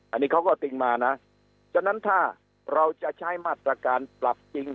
อันนี้เขาก็ติ้งมานะฉะนั้นถ้าเราจะใช้มาตรการปรับจริง